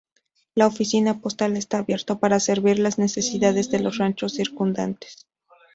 La oficina postal está abierto para servir las necesidades de los ranchos circundantes.